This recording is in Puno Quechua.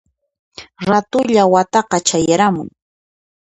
Ratulla wakata chawaruy!